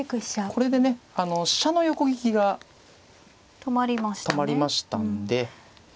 これでね飛車の横利きが止まりましたんで。